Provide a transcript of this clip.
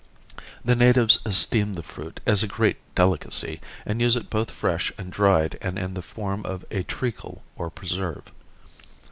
The natives esteem the fruit as a great delicacy, and use it both fresh and dried and in the form of a treacle or preserve.